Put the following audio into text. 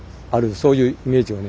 そういうイメージをね